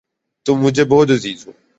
تم مجھے بہت عزیز ہو